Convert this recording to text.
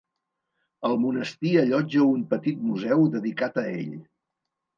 El monestir allotja un petit museu dedicat a ell.